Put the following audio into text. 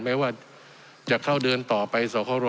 แม้ว่าจะเข้าเดินต่อไปสครอ